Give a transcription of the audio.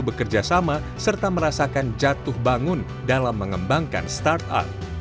bekerja sama serta merasakan jatuh bangun dalam mengembangkan startup